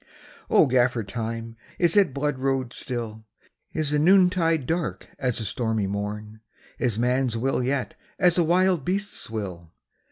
" O Gaffer Time, is it blood road still? Is the noontide dark as the stormy morn? Is man s will yet as a wild beast s will?